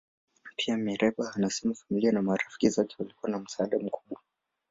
Pia, Mereba anasema familia na marafiki zake walikuwa na msaada mkubwa.